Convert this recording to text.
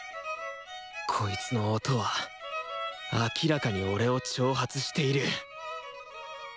こいつの音は明らかに俺を挑発している！